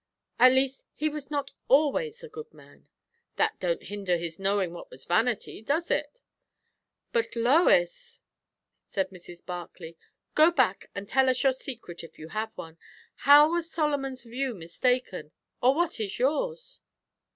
"At least he was not always a good man." "That don't hinder his knowing what was vanity, does it?" "But, Lois!" said Mrs. Barclay. "Go back, and tell us your secret, if you have one. How was Solomon's view mistaken? or what is yours?"